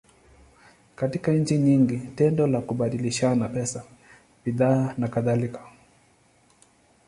Katika nchi nyingi, tendo la kubadilishana pesa, bidhaa, nakadhalika.